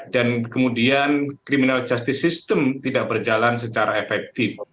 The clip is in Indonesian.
dan kemudian criminal justice system tidak berjalan secara efektif